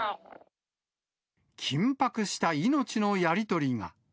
緊迫した命のやり取りが。